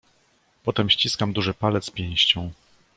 "„Potem ściskam duży palec pięścią."